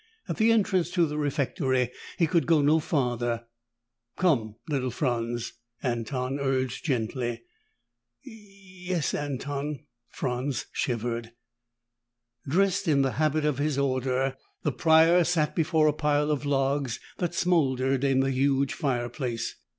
At the entrance to the refectory, he could go no farther. "Come, little Franz," Anton urged gently. "Y yes, Anton." Franz shivered. Dressed in the habit of his order, the Prior sat before a pile of logs that smoldered in the huge fireplace.